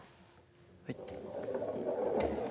はい。